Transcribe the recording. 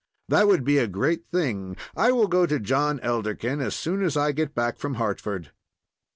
That would be a great thing; I will go to John Elderkin as soon as I get back from Hartford."